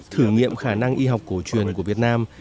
thử nghiệm khả năng y học cổ truyền của việt nam